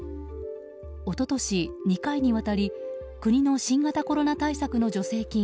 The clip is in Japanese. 一昨年、２回にわたり国の新型コロナ対策の助成金